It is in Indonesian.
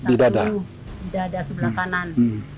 di dada sebelah kanan